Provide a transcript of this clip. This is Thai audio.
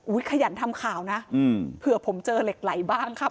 ขยันทำข่าวนะเผื่อผมเจอเหล็กไหลบ้างครับ